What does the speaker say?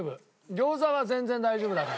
餃子は全然大丈夫だから。